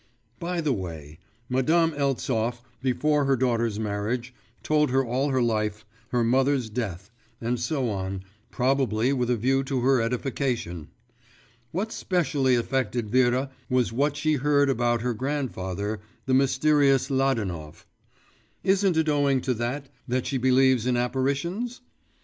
… By the way Madame Eltsov, before her daughter's marriage, told her all her life, her mother's death, and so on, probably with a view to her edification. What specially affected Vera was what she heard about her grandfather, the mysterious Ladanov. Isn't it owing to that that she believes in apparitions?